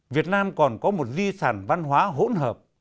việt nam còn có một di sản văn hóa hỗn hợp